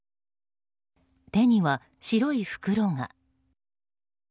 手には白い袋が。